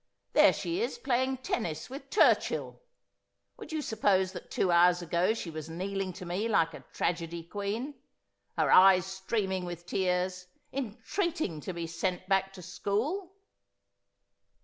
' There she is, playing tennis with Turchill. Would you suppose that two hours ago she was kneeling to me like a tragedy queen, her eyes streaming with tears, entreating to be sent back to school